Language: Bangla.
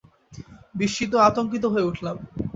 বিস্মিত ও আতঙ্কিত হয়ে উঠলাম।